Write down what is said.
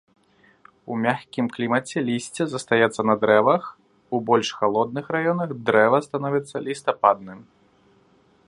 У мяккім клімаце лісце застаецца на дрэвах, у больш халодных раёнах дрэва становіцца лістападным.